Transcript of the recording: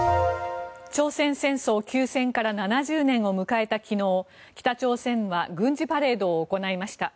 朝鮮戦争休戦から７０年を迎えた昨日北朝鮮は軍事パレードを行いました。